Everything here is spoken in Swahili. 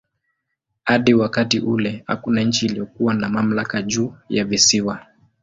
Hadi wakati ule hakuna nchi iliyokuwa na mamlaka juu ya visiwa.